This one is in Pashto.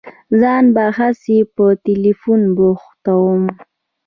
ځان به هسي په ټېلفون بوختوم.